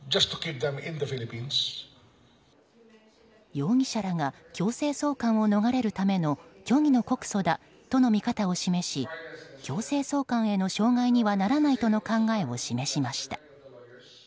容疑者らが強制送還を逃れるための虚偽の告訴だとの見方を示し強制送還への障害にはならないとの考えを示しました。